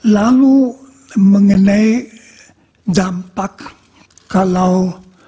lalu mengenai dampak kalau